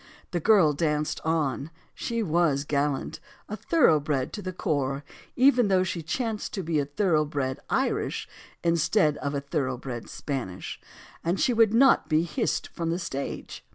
The girl danced on; she was gallant, a thoroughbred to the core even though she chanced to be thoroughbred Irish instead of thorough bred Spanish and she would not be hissed from the stage.